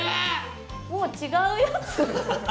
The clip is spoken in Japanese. もう違うやつ。